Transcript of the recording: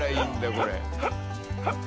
これ。